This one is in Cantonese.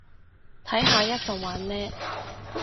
睇下一陣玩咩